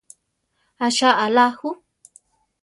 ¿Acha alá ju?